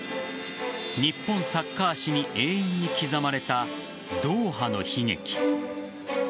日本サッカー史に永遠に刻まれたドーハの悲劇。